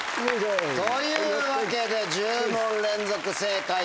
というわけで１０問連続正解達成。